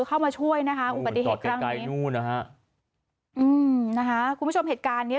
เข้ามาช่วยนะคะอุปัติเหตุกลางนี้อืมนะคะคุณผู้ชมเหตุการณ์เนี้ย